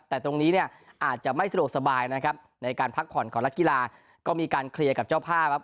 แต่ตรงนี้เนี่ยอาจจะไม่สะดวกสบายนะครับในการพักผ่อนของนักกีฬาก็มีการเคลียร์กับเจ้าภาพครับ